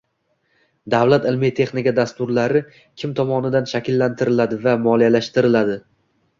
Davlat ilmiy-texnika dasturlari kim tomonidan shakllantiriladi va moliyalashtiriladi?